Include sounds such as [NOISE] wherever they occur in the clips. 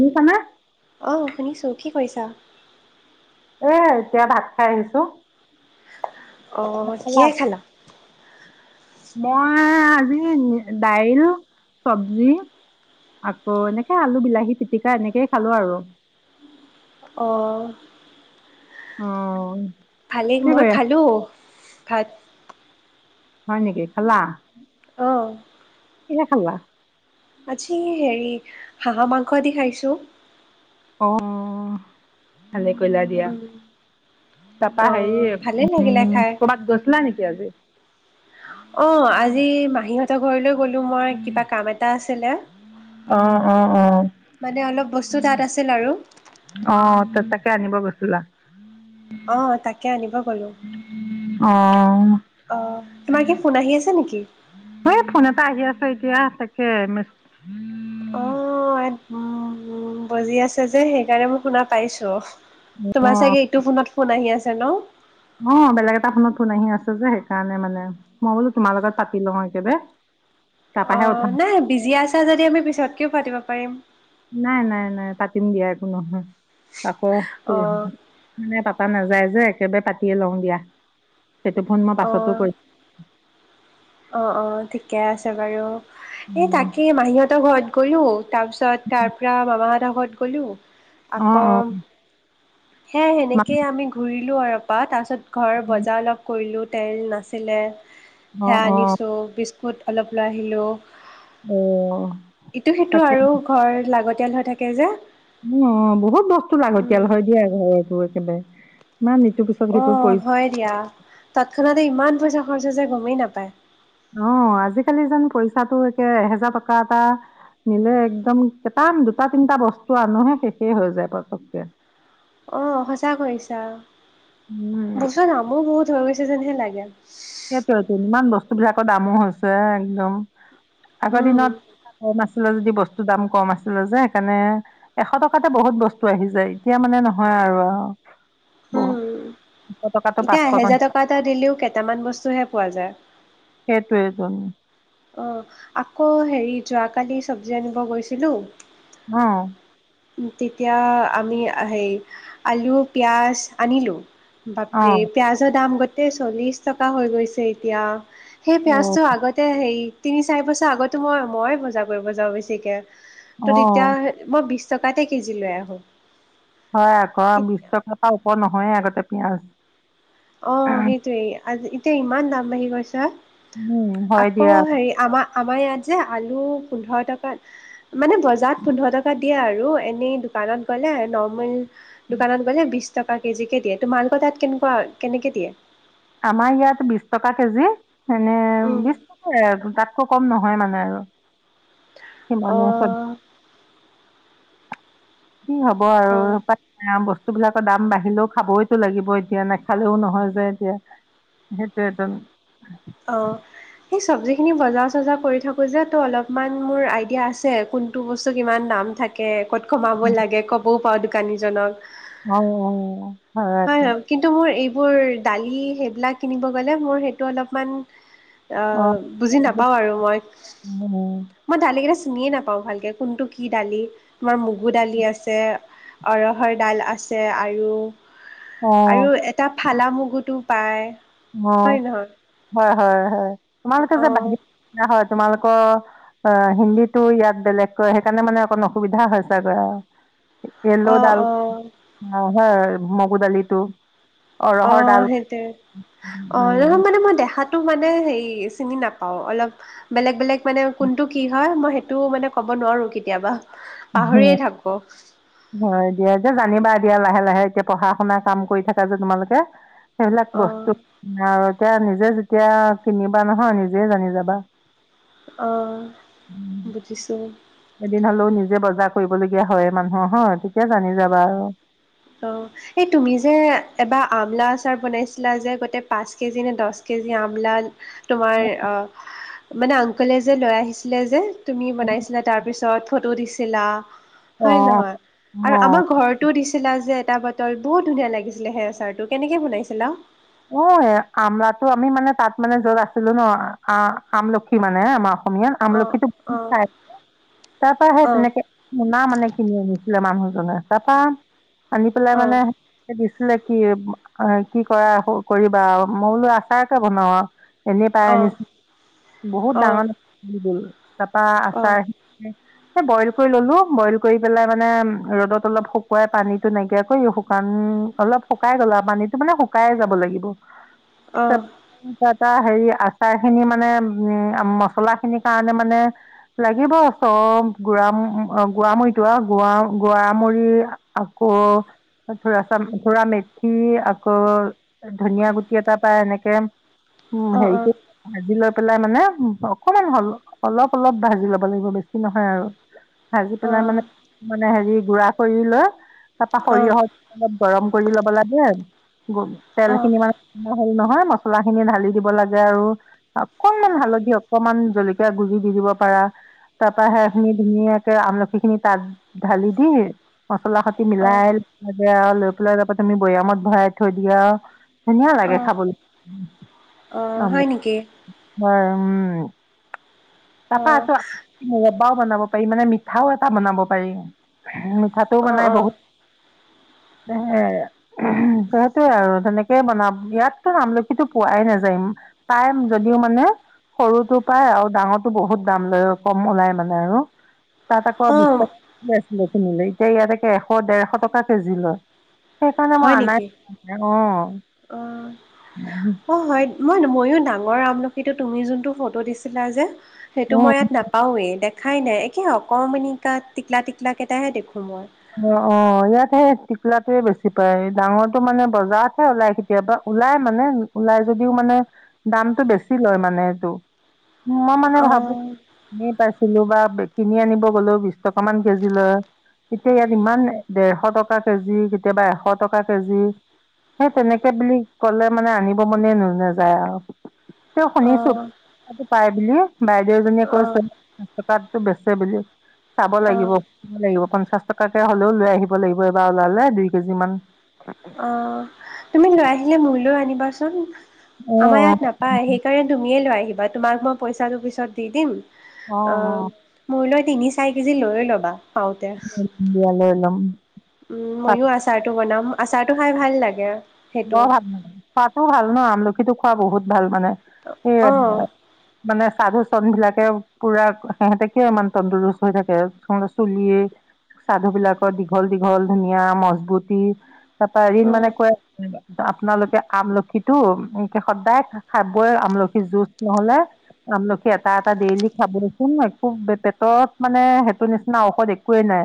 শুনিছানে? অ', শুনিছোঁ, কি কৰিছা? এ এতিয়া ভাত খাই আহিছো। অ', কিহে খালা? মই আজি দাইল চব্জি। আকৌ এনেকে আলু বিলাহী পিটিকা এনেকেই খালো আৰু। অ'। অ'। ভালেই কি মই কৰি আছা? খালোঁ ভাত। হয়, নেকি খালা? অ'। কিহে খালা? আজি হেৰি হাঁহ মাংস দি খাইছোঁ। অঁ ভালে কৰিলা দিয়া। উম, তাৰাপা হেৰি অঁ ভালেই লাগিলে উমঁ খাই কৰ'বাত গৈছিলা নেকি আজি। অঁ' আজি মাহীহঁতৰ ঘৰলৈ গলো মই কিবা কাম এটা আছিলে। অ' অ' অ' মানে অলপ বস্তু তাত আছিল আৰু। অঁ ত তাকে আনিব গৈছিলা। অঁ তাকে আনিব গ'লোঁ অঁ! অঁ তোমাৰ কি ফোন আহি আছে নেকি? এ ফোন আহি আছে এতিয়া তাকে মে- অঁ ই উ বজি আছে যে সেইকাৰণে মই শুনা পাইছোঁ। তোমাৰ অ' চাগে ইটো ফোনত ফোন আহি আছে ন। অঁ বেলেগ এটা ফোনত ফোন আহি আছে যে সেইকাৰণে মানে মই বোলো তোমাৰ লগত পাতি লওঁ একেবাৰে। তাৰপাহে অঁ উঠাম নাই বিজি আছা যদি আমি পিছতকও পাতিব পাৰিম। নাই নাই নাই পাতিম দিয়া একো নহয় আকৌ- অ' মানে পাপা নাযায় যে একেবাৰে পাতিয়ে লওঁ দিয়া সেইটো ফোন মই পাছতো কৰিম। অঁ অঁ' ঠিকে আছে বাৰু এই উম, তাকেই মাহীহঁতৰ ঘৰত গৈও। তাৰপিছত তাৰপৰা মামাহঁ ত ঘৰত গ'লোঁ অ', অ'। আকৌ- সেয়াই মানে সেনেকে আমি ঘূৰিলোঁ অৰপা তাৰপাছত ঘৰৰ বজাৰ অলপ- কৰিলোঁ তেল নাছিলে অ', সেয়া অ', আনিছোঁ বিস্কুট অলপ লৈ আহিলোঁ। অঁ! ইটো সেইটো আৰু ঘৰ লাগতিয়াল হৈ থাকে যে। অঁ বহুত বস্তু লাগতিয়াল উম, হয়ঁ দিয়া ঘৰবোৰ একেবাৰে ইমান ইটো- অঁ হয় দিয়া তৎক্ষণাতে ইমান পইচা খৰচা যে গমেই নাপায়। অঁ আজিকালি যেন পইচাটো একে এহেজাৰ টকা এটা- নিলে একদম কেইটাম দুটা তিনিটা বস্তু আনোহে শেষেই হৈ যায় পটককে। অঁ সঁচা কৈছা উম বস্ত দামো বহুত হৈ গৈছে যেনহে লাগে। সেইটোইতো ইমান বস্তু বিলাকৰ দামো হৈছে একদম আগৰ উম, দিনত- কম আছিলে যদি বস্তুৰ দাম কম আছিলে যে সেইকাৰণে। এশ টকাতে বহুত বস্তু আহি যায় এতিয়া মানে নহয় আৰু উম। বহুত। এশ টকাটো এতিয়া পাঁচশ এহেজাৰ টকা এটা দিলেও কেইটামান বস্তু হে পোৱা যায়। সেইটোয়েটোন। অঁ আকৌ হেৰি যোৱাকালি চব্জি আনিব গৈছিলোঁ। অঁ! তেতিয়া আমি হেই আলু পিঁয়াজ আনিলোঁ। বাপৰে অ' পিয়াঁজৰ দাম গোটেই চল্লিশ টকা হৈ গৈছে এতিয়া। সেই অ' পিঁয়াজটো আগতে হেৰি তিনি চাৰি বছৰ আগতো মই মই বজাৰ কৰিব যাওঁ বেছিকে। ত' অ' তেতিয়া মই বিশ টকাতে একেজি লৈ আহোঁ। হয়ঁ আক বিশ টকাপা ওপৰ নহয়ে আগতে পিঁয়াজ। অঁ সেইটোৱে আজি এতিয়া ইমান দাম বাঢ়ি গৈছে হয় আকৌ দিয়া হেৰি- আমাৰ আমাৰ ইয়াত যে আলু পোন্ধৰ টকাত। মানে বজাৰত পোন্ধৰ টকা দিয়ে আৰু এনেই দোকানত গ'লে নৰ্মল- দোকানত গলে বিশ টকা কেজিকে দিয়ে তোমালোক তাত কেনেকুৱা কেনেকে দিয়ে? আমাৰ ইয়াত বিশ টকা কেজি এনে- উমঁ! এই তাতকো কম নহয় মানে আৰু অ সিমানেও কি হ'ব আৰু অ আহ বস্তুবিলাকৰ দাম বাঢ়িলেও খাবইতো লাগিব এতিয়া নাখালেও নহয় যে এতিয়া সেইটোৱে ত অঁ সেই চব্জিখিনি বজাৰ চজাৰ কৰি থাকোঁ যে তো অলপমান মোৰ আইডিয়া আছে কোন কোনটো বস্তু কিমান দাম থাকে ক'ত কমাব লাগে ক'বও পাওঁ দোকানীজনক অ অ অ হয় হয় কিন্তু মোৰ এইবোৰ দালি সেইবিলাক কিনিব গলে মোৰ সেইটো অলপমান অঁ আহ বুজি নাপাওঁ আৰু মই মই দালিকেইটা চিনিয়ে নাপাওঁ ভালকে কোনটো কি দালি তোমাৰ মগু দালি আছে ৰহৰ ডাল আছে আৰু অঁ আৰু এটা ফালা মুগুতো পায় অ হয় নহয় হয় হয় হয় তোমালোকে যে অ' বাহিৰ হয় তোমালোকৰ অ হিন্দীটো ইয়াত বেলেগ কয় সেইকাৰণে মানে অকণ অসুবিধা হয় ছাগৈ ইয়েল' অ' ডাল অ' হয় মগু দালিটো অ অৰহৰ ডাল সেইটোৱে অ লও উম, মানে মই দেখাত কোনটো মানে হেৰি চিনি নাপাও অলপ বেলেগ বেলেগ মানে কোনটো কি হয় মই সেইটো মানে ক'ব নোৱাৰো কেতিয়াবা অ পাহৰিয়ে থাকো হয় দিয়া যে জানিবা দিয়া লাহে লাহে এতিয়া পঢ়া শুনা কাম কৰি থাকা যে তোমালোকে সেইবিলাক বস্তু অ' আৰু এতিয়া নিজে যেতিয়া কিনিবা নহয় নিজে জানি যাবা অঁ উম, বুজিছোঁ এদিন হলেও নিজে বজাৰ কৰিবলগীয়া হয় মানুহৰ হয় তেতিয়া জানি যাবা আৰু অ এই তুমি যে এবাৰ আমলা আচাৰ বনাইছিলা যে গোটেই পাঁচ কেজি নে দহ কেজি আমলা তোমাৰ মানে আংকলে যে লৈ আহিছিলে যে তুমি বনাইছিলা তাৰপিছত ফটো দিছিলা হয় অঁ নহয় আৰু অঁ আমাৰ ঘৰত তটো দিছিলা যে এটা বটল বহুত ধুনীয়া লাগিছিলে সেই আচাৰটো কেনেকে বনাইছিলা? অ আমলাটো আমি মানে তাত মানে যত আছিলো ন আ- আমলখি মানে আমাৰ অসমীয়াত অ আমলখি অ বহুত খাই আছে তাৰ পৰা সেই অ তেনেকে সোনা মানে কিনি আনিছিলে মানুহজনে তাৰপা আনি পেলাই অ মানে দিছিলে কি কি কৰা কৰিবা মই বোলো আচাৰকে বনাও আৰু এনেই পাই অ অ আনিছো বহুত ডাঙৰ গল তাপৰা অ অ অ আছাৰ বইল কৰি ললো বইল কৰি পেলাই মানে ৰ'দত অলপ শুকুৱাই পানীটো নাইকিয়া কৰি কাৰণ অলপ শুকাই গলা আৰু পানীটো মানে শুকাই যাব লাগিব অ ত এটা হেৰি আচাৰ খিনি মানে উ মচলা খিনিৰ কাৰণে মানে লাগিব চব গুৰা গোৱামুৰিতো আৰু গোৱা গৰামৰি আকৌ থৰা চা থৰা মেথি আকৌ ধুনীয়া গুটি এটা পায় এনেকে উ অ অ হেৰিটো ভাজি লৈ পেলাই মানে অকমান হাল অলপ অলপ ভাজি ল'ব লাগিব বেছি নহয় আৰু ভাজি পেলাই মানে মানে হেৰি গুড়া কৰি লৈ তাৰপা সৰিয়হত অলপ গৰম কৰি ল'ব লাগে আৰু অ তেল খিনি অ মানে হ'ল নহয় মছলা খিনি ঢালি দিব লাগে আৰু। অকনমান হালধি অকমান জলকীয়া গুৰি দি দিব পাৰা। তাৰ পৰা সেইখিনি ধুনীয়াকে আমলখি খিনি তাত ঢালি দি, মছলা মিলাই লৈ পেলাই তাৰ পৰা তুমি বৈয়ামত ভৰাই থৈ দিয়া। ধুনীয়া লাগে অ খাবলৈ, অ হয় আমলখি নেকি হয়', উম',। তাৰপা অ এটো মব্বাও বনাব পাৰি মানে, মিঠাওঁ এটা বনাব পাৰি। মিঠাটো অ', বনাই অ', বহুত, সিহেতে আৰু তেনেকেই বনাম ইয়াততো আমলখিতো পোৱাই নাযায়, পাইম যদিওঁ মানে সৰুটো পায় আৰু ডাঙৰটো বহুত দাম লয়, কম ওলাই মানে আৰু। তাত আকৌ বিশ অ', টকা কে আছিলে কিনিলে, এতিয়া ইয়াতে এশ ডেৰশ টকা কেজি লয়। সেইকাৰণে মই হয় অনাই নেকি? নাই অ',। অহ', হয়' মই ময়ো ডাঙৰ আমলখিটো তুমি যোনটো ফটো দিছিলা যে সেইটো মই ইয়াত অ নাপাওঁৱেই দেখাই নাই, একে অকমানিকাইটা টিকলা টিকলাকেইটাহে দেখোঁ মই। অহ', অহ' ইয়াতহে টিকলাটোৱে বেছি পায়, ডাঙৰটো মানে বজাৰতহে ওলাই কেতিয়াবা ওলাই মানে ওলাই যদিওঁ মানে দামটো বেছি লয় মানে এইটো। মই মানে ভাবো অ', এনে পাইছিলো বা কিনি আনিব গলো বিশ টকা মান কেজি লয়। এতিয়া ইয়াত ইমান ডেৰশ টকা কেজি, কেতিয়াবা এশ টকা কেজি। সেই তেনেকে বুলি কলে মানে আনিব মনে নেযায় আৰু। তেওঁ শুনিছো অ', তাতে পাই বুলি বাইদেউজনীয়ে কৈছে। অ', কাবতটো বেচে বুলি, চাব লাগিব অ', সুধিব লাগিব পঞ্চাশ টকাকে হ'লেও লৈ আহিব লাগিব, এবাৰ ওলালে দুই কেজি মান। অহ', তুমি লৈ আহিলে মোলৈ আনিবাচোন, অঁ আমাৰ ইয়াত নাপায় আহি সেই কাৰণে তুমিয়ে লৈ আহিবা, তোমাক মই পইচাটো পিছত দি দিম অঁ অঁ অহ' অঁ মোৰলৈ তিনি চাৰি কেজি লৈ ল'বা। পাওঁতে লৈ ল'ম দিয়া লৈ ল'ম উম', পাত ময়ো আছো। আচাৰটো বনাম, আচাৰ টো খাই ভাল লাগে। সেইটো। অহ', ভালে খোৱাতো ভাল ন' আমলখিটো খোৱা বহুত ভাল মানে। অ', মানে সাধুচৰ নিচিনাকে পুৰা সিহঁতে কিয় ইমান তন্দৰস্ত হৈ থাকে। সিহতৰ চুলিয়ে সাধু বিলাকৰ দীঘল দীঘল ধুনীয়া মজবুতি, তাৰ পৰা এদিন মানে অ', কয় আপোনালোকে আমলখিটো, সদায় খাবই আমলখি জুজ নহ'লে আমলখি এটা এটা ডেইলি খাবচোন, একো পেটতত মানে সেইটো নিচিনা ঔষধ একোৱেই নাই।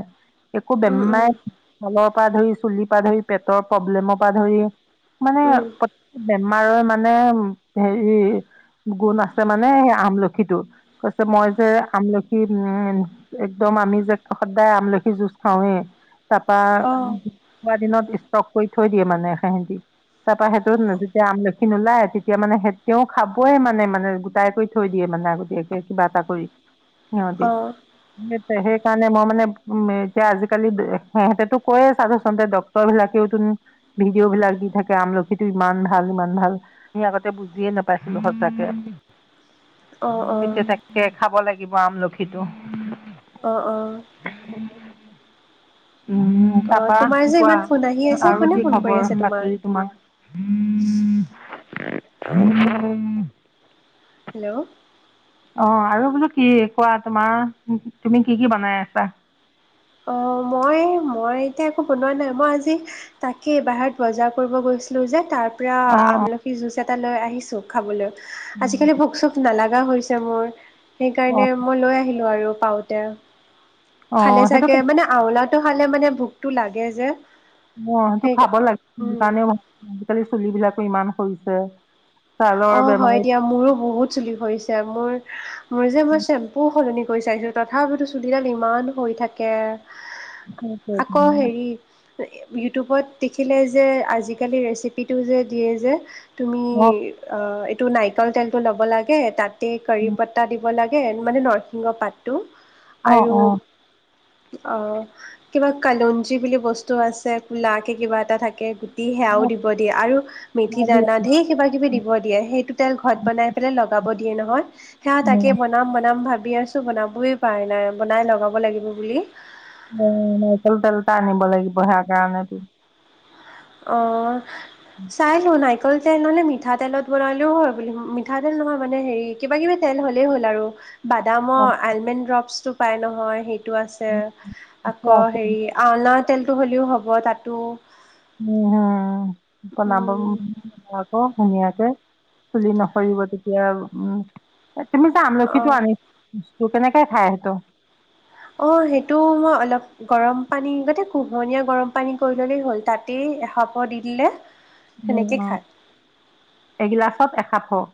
একো উম, বেমাই উম, তলৰ পৰা ধৰি চুলিৰ পৰা ধৰি পেটৰ প্ৰব্লেমৰ পৰা ধৰি মানে উম, প্ৰতেক বেমাৰৰ মানে হেৰি গুণ আছে মানে সেই আমলখিটো কৈছে মই যে আমলখি উম', একদম আমি যে সদায় আমলখি যুজ খাওঁৱে। তাৰপা অ', খোৱা দিনত ষ্টক কৰি থৈ দিয়ে মানে সিহতে। তাৰ পৰা সেইটোত যেতিয়া আমলখি নোওলাই, তেতিয়া মানে সেতেওঁ খাবইে মানে মানে গোটাই কৰি থৈ দিয়ে মানে আগতীয়াকে, কিবা এটা কৰি সিহঁতে। অ', অ', সেইকাৰণে মই মানে উম' এতিয়া আজিকালি সিহঁতেতো কৈয়ে ছাধুচোনতে ডাক্তৰ বিলাকেওচোন ভিডিঅ' বিলাক দি থাকে, আমলখিটো ইমান ভাল ইমান ভাল। আমি আগতে বুজিয়ে নাপাইছিলো সঁচাকে। অ', অ', তেতিয়া তাকে খাব লাগিব আমলখিটো। অ', অ'। [INAUDIBLE] অ', তোমাৰ যে কোৱা ইমান ফোন আহি আছে, আৰু কি কোনে ফোন খবৰ কৰি আছে বাতৰি তোমাক। তোমাৰ [UNINTELLIGIBLE] হেল্ল'। অ' আৰু বোলো, কি কোৱা তোমাৰ, তুমি কি কি বনাই আছা? অ', মই, মই এতিয়া একো বনোৱা নাই, মই আজি তাকে বাহিৰত বজাৰ কৰিব গৈছিলো যে, তাৰ অঁ অঁ আমখি জুছ এটা লৈ আহিছোঁ খাবলৈ, আজিকালি ভোক-চোক নলাগে। কুৱা হৈছে মোৰ, সেইকাৰণে অঁ মই লৈ আহিলোঁ আৰু পাওঁতে, খালে অঁ সেইটো চাগে। মানে, আমলাটো খালে মানে, ভোকটো লাগে যে। অ', সেইটো সেই খাব লাগে, উম। কাৰণে আজিকালি চুলিবিলাকো ইমান সৰিছে। ছালৰ অ', বেমাৰ হয় দিয়া, মোৰো বহুত চুলি সৰিছে। এতিয়া মোৰ, মোৰ যে, মই শ্বেম্পু সলনি কৰি চাইছিলোঁ, তথাপিতো চুলিডাল ইমান সৰি থাকে। আকৌ হেৰি। ইউটিউবত দেখিলে যে, আজিকালি ৰেচিপিটো যে দিয়ে যে। তুমি আ এইটো নাৰিকল তেলটো ল'ব লাগে, তাতে কৰিপতা দিব লাগে। লাগে মানে, নৰসিংহ পাতটো, অঁ অঁ আৰু- অঁ অ', কিবা কালঞ্জী বুলি বস্তু আছে, কুলাকে কিবা এটা থাকে। দি সেয়াও দিব দিয়ে, আৰু মেথি দানা ধেৰ কিবা-কিবি দিব দিয়ে, সেইটো তেল ঘৰত বনাই, লগাব দিয়ে নহয়, সেইয়া তাকে নাৰিকল বনাম, বনাম ভাবি আছোঁ, বনাবই পৰাই নাই, বনাই লগাব লাগিব বুলি। নাৰিকল তেল এটা, আনিব লাগিব, সেই কাৰণে। অ', চাই লওঁ নাই কল তেল মানে, মিঠাতেলত বনালেও হয় বুলি, মিঠাতেল নহয় মানে হেৰি, কিবা-কিবি তেল হ'লেই হ'ল আৰু। বাদামৰ, আলমেণ্ড ড্ৰপচটো পায় নহয়, সেইটো আছে। আকৌ অঁ হেৰি আনাৰ তেলটো হ'লেও হ'ব, তাতো [UNINTELLIGIBLE] অ', উম, ধুনীয়াকে, চুলি নসৰিব তেতিয়া, উম। তুমি যে আমলখিতো অ', আনিছা, কেনেকে খাই সেইটো। অ', সেইটো মই অলপ গৰম পানী, আগতে কুহমীয়া গৰম পানী কৰি ল'লেই হ'ল, তাতেই এসাফৰ দি দিলে। উম, সেনেকে অ', খায়। এগিলাছত এসাফৰ।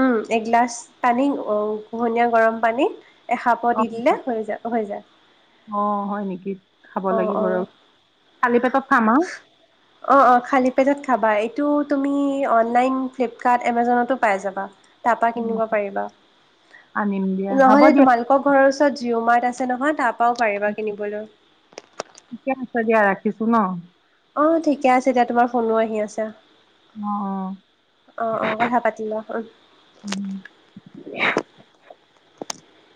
উম, এগিলাছ পানী, কোহমীয়া গৰম পানীত এসাফৰ দি দিলে, হৈ যায়, হৈ যায়। অ', হয় নেকি, খাব অ', লাগিব ৰ, অ', খালি পেটত খাম আৰু। অ', অ', খালী পেটত খাবা। এইটো তুমি অনলাইন ফ্লিপকাৰ্ট, এমেজনতো পাই যাবা। তাৰপৰা উম, কিনিব পাৰিবা, আনিম দিয়া হ'ব নহ'লে দিয়া তোমালোক আকৌ, ঘৰৰ ওচৰত জিঅ মাৰ্ট আছে নহয়, তাৰপৰাও পাৰিবা কিনিবলৈ। ঠিকেই আছে দিয়া, ৰাখিছো ন। অ', ঠিকে আছে দিয়া, তোমাৰ ফোনো আহি আছে। অ', অ'। অ', অ', কথা পাতিলোৱা, উম। উম।